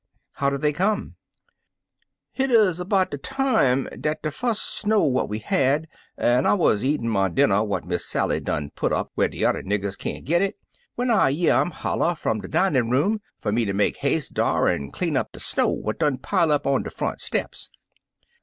"How did they come?" "Hit 'uz des 'bout de time er dat fus' 153 Uncle Remus Returns snow what we had, an' I wuz catin* my dinner what Miss Sally done put up whar dem yuther niggers can't git it, when I year 'er holler fum de dinin' room fer me ter make has'e dar an' clean up de snow what done pile up on de front steps.